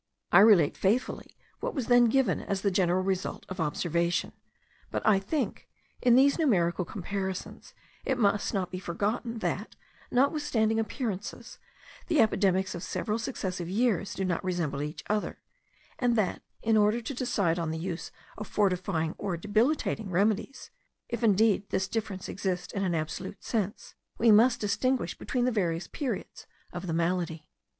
I relate faithfully what was then given as the general result of observation: but I think, in these numerical comparisons, it must not be forgotten, that, notwithstanding appearances, the epidemics of several successive years do not resemble each other; and that, in order to decide on the use of fortifying or debilitating remedies, (if indeed this difference exist in an absolute sense,) we must distinguish between the various periods of the malady.